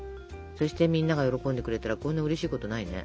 そしてみんなが喜んでくれたらこんなうれしいことないね。